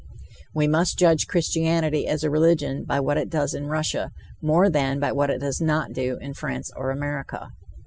We must judge Christianity as a religion by what it does in Russia, more than by what it does not do in France or America.